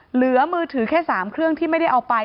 เหลือมือถือแค่๓เครื่องที่ไม่ได้เอาไป